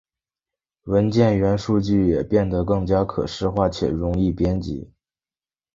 文件元数据也变得更加可视化且更容易编辑。